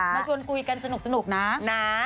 มาชวนคุยกันสนุกนะนะ